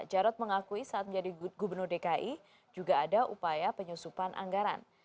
jarod mengakui saat menjadi gubernur dki juga ada upaya penyusupan anggaran